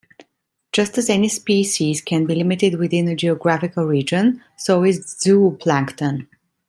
Just as any species can be limited within a geographical region, so is zooplankton.